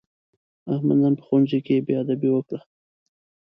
احمد نن په ښوونځي کې بېادبي وکړه.